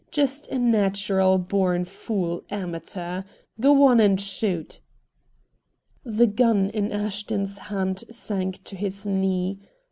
Just a natural born fool amateur! Go on and shoot!" The gun in Ashton's hand sank to his knee.